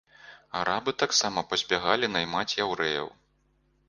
Арабы таксама пазбягалі наймаць яўрэяў.